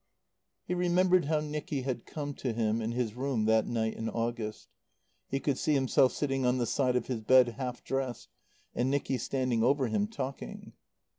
He remembered how Nicky had come to him in his room that night in August. He could see himself sitting on the side of his bed, half dressed, and Nicky standing over him, talking.